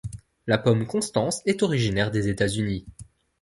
La pomme Constance est originaire des États-Unis.